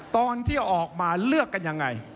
ตอนที่ออกมาเลือกกันยังไง